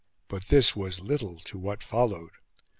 But this was little to what followed.